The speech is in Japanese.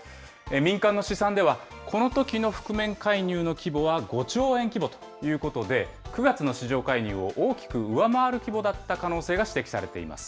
民間の試算では、このときの覆面介入の規模は５兆円規模ということで、９月の市場介入を大きく上回る規模だった可能性が指摘されています。